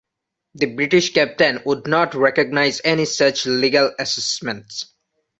The British captain would not recognise any such legal assessment.